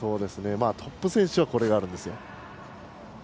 トップ選手はこれがあるんですよ。